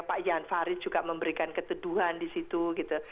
pak jan farid juga memberikan keteduhan disitu gitu